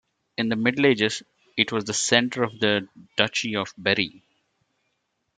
In the Middle Ages it was the centre of the Duchy of Berry.